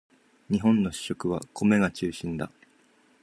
日本の主食は米が中心だ